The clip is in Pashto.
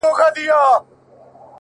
خیر دی قبر ته دي هم په یوه حال نه راځي؛